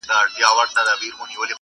ګرم خو به نه یم چي تیاره ستایمه,